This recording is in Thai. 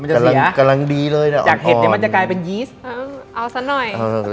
มันจะเสียจากเห็ดเดี๋ยวมันจะกลายเป็นยีสอ๋อเอาสักหน่อยอ่อน